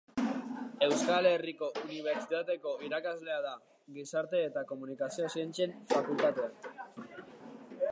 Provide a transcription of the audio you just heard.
Euskal Herriko Unibertsitateko irakaslea da, Gizarte eta Komunikazio Zientzien Fakultatean.